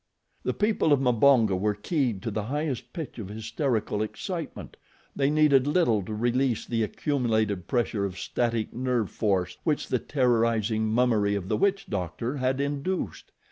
The people of Mbonga were keyed to the highest pitch of hysterical excitement. They needed little to release the accumulated pressure of static nerve force which the terrorizing mummery of the witch doctor had induced.